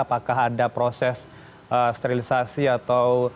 apakah ada proses sterilisasi atau